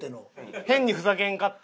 変にふざけんかった。